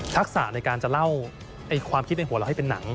ะในการจะเล่าความคิดในหัวเราให้เป็นหนัง